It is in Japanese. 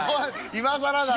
「今更だよ」。